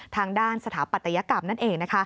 ทางด้านสถาปัตยกรรมนั่นเอง